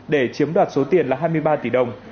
để chiếm đoạt số tiền là hai mươi ba tỷ đồng